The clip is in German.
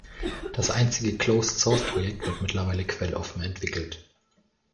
Das einstige Closed-Source-Projekt wird mittlerweile quelloffen entwickelt.